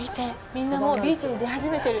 みんな、もうビーチに出始めてる。